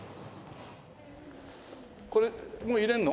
これもう入れるの？